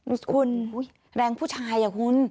คุณแรงผู้ชายอ่ะคุณ